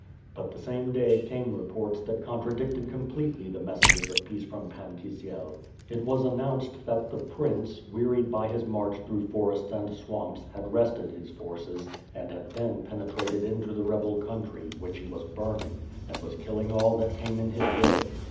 But the same day came reports that contradicted completely the messages of peace from Pan Kisiel. It was announce! that the prince, wearied by his march through forests and swamps, had rested his forces, and had then penetrated into the rebel country, which he was burning; and was killing all that came in his way.